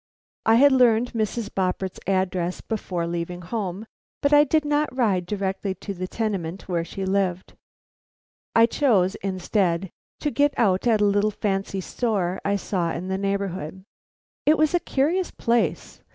I had learned Mrs. Boppert's address before leaving home, but I did not ride directly to the tenement where she lived. I chose, instead, to get out at a little fancy store I saw in the neighborhood. It was a curious place.